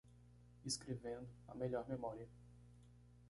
Escrevendo, a melhor memória.